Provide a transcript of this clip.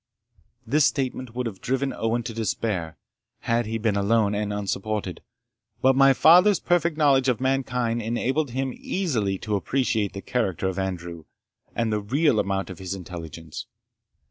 This statement would have driven Owen to despair, had he been alone and unsupported; but my father's perfect knowledge of mankind enabled him easily to appreciate the character of Andrew, and the real amount of his intelligence.